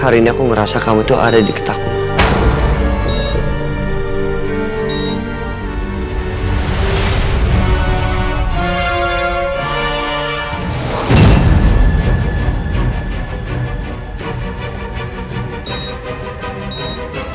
hari ini aku ngerasa kamu tuh ada diketahuku